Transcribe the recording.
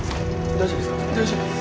・大丈夫です。